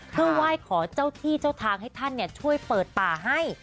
เพื่อไหว้ขอเจ้าที่เจ้าทางให้ท่านช่วยเปิดป่าให้